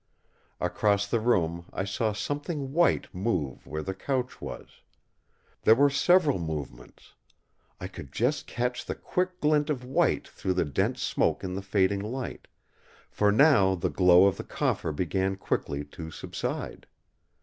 Across the room I saw something white move where the couch was. There were several movements. I could just catch the quick glint of white through the dense smoke in the fading light; for now the glow of the coffer began quickly to subside.